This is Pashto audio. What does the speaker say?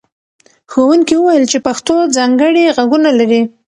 ښوونکي وویل چې پښتو ځانګړي غږونه لري.